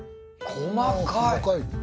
細かい。